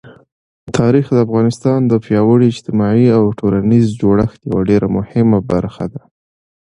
تاریخ د افغانستان د پیاوړي اجتماعي او ټولنیز جوړښت یوه ډېره مهمه برخه ده.